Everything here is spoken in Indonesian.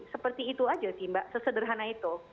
seperti itu aja sih mbak sesederhana itu